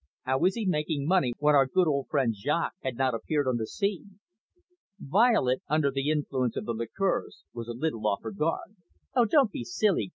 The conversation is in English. How was he making money when our good old friend Jaques had not appeared on the scene?" Violet, under the influence of the liqueurs, was a little off her guard. "Oh, don't be silly.